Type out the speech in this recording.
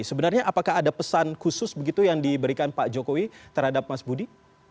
sebenarnya apakah ada pesan khusus begitu yang diberikan pak jokowi terhadap mas budi